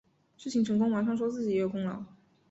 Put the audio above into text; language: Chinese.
事情成功马上说自己也有功劳